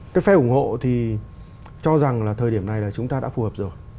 cái phe ủng hộ thì cho rằng là thời điểm này là chúng ta đã phù hợp rồi